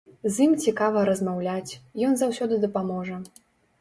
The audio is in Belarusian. З ім цікава размаўляць, ён заўсёды дапаможа.